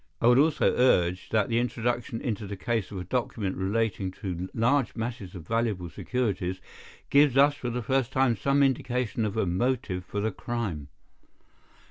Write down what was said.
I would also urge that the introduction into the case of a document relating to large masses of valuable securities gives us for the first time some indication of a motive for the crime."